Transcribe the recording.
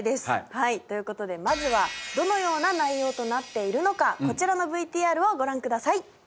はいということでまずはどのような内容となっているのかこちらのＶＴＲをご覧ください